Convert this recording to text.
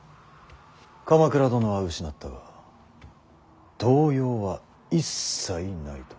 鎌倉殿は失ったが動揺は一切ないと。